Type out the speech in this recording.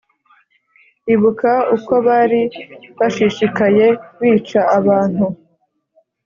ibuka uko bari bashishikaye bica abantu